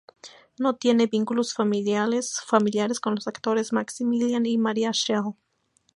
No tiene vínculos familiares con los actores Maximilian y Maria Schell.